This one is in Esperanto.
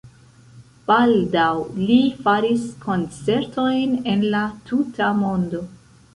Baldaŭ li faris koncertojn en la tuta mondo.